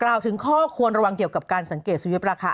กล่าวถึงข้อควรระวังเฉลี่ยวการสังเกตสุยธิประอาคาร